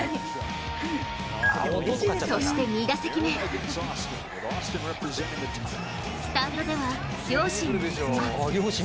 そして２打席目スタンドでは両親も見つめる。